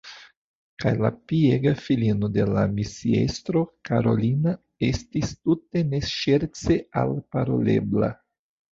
Kaj la piega filino de la misiestro, Karolina, estis tute ne ŝerce alparolebla.